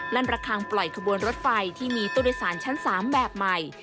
ระคังปล่อยขบวนรถไฟที่มีตู้โดยสารชั้น๓แบบใหม่